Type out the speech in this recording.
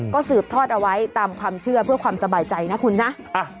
ก็สืบทอดเอาไว้ตามความเชื่อเพื่อความสบายใจนะคุณนะ